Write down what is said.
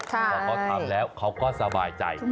พอเขาทำแล้วเขาก็สบายใจ